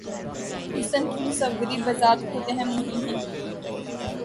حسن کی مصوری بذات خود اہم نہیں